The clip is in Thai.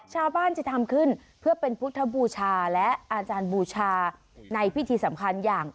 ชาวบ้านจะทำขึ้นเพื่อเป็นพุทธบูชาและอาจารย์บูชาในพิธีสำคัญอย่าง